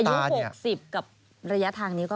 อายุ๖๐กับระยะทางนี้ก็